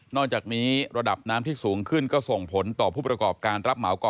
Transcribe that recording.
จากนี้ระดับน้ำที่สูงขึ้นก็ส่งผลต่อผู้ประกอบการรับเหมาก่อ